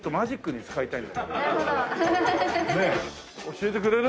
教えてくれる？